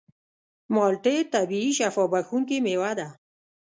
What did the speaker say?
مالټې طبیعي شفا بښونکې مېوه ده.